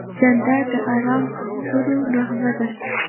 جانداد د ارام خبرو نغمه ده.